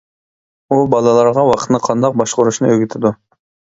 ئۇ بالىلارغا ۋاقىتنى قانداق باشقۇرۇشنى ئۆگىتىدۇ.